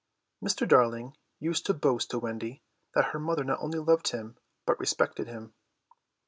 Mr. Darling used to boast to Wendy that her mother not only loved him but respected him.